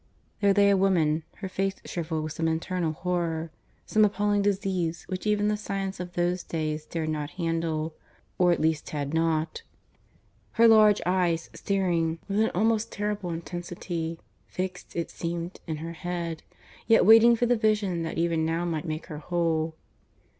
... There lay a woman, her face shrivelled with some internal horror some appalling disease which even the science of these days dared not handle, or at least had not; her large eyes staring with an almost terrible intensity, fixed, it seemed, in her head, yet waiting for the Vision that even now might make her whole.